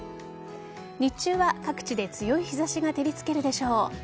日中は、各地で強い日差しが照りつけるでしょう。